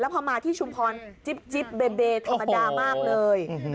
พอมาที่ชุมพรจิ๊บเบเบธรรมดามากเลย